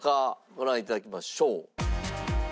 ご覧頂きましょう。